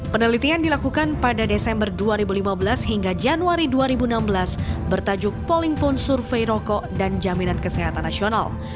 penelitian dilakukan pada desember dua ribu lima belas hingga januari dua ribu enam belas bertajuk polling phone survei rokok dan jaminan kesehatan nasional